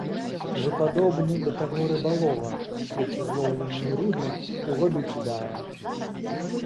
Вы падобны да таго рыбалова, які злоўленую рыбу ў ваду кідае.